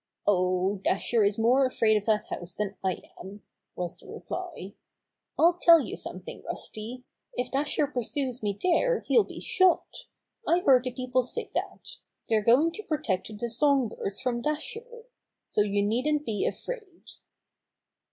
"Oh, Dasher is more afraid of that house than I am," was the reply. "I'll tell you something, Rusty. If Dasher pursues me there he'll be shot. I heard the people say that. They're going to protect the song birds from Dasher. So you needn't be afraid."